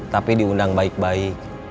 tapi diundang baik baik